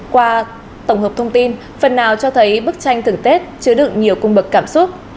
qua tổng hợp thông tin phần nào cho thấy bức tranh thường tết chứa đựng nhiều cung bậc cảm xúc